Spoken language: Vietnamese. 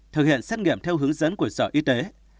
thực hiện xét nghiệm theo hướng dẫn của sở y tế